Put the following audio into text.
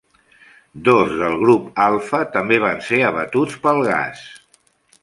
Dos del Grup Alpha també van ser abatuts pel gas.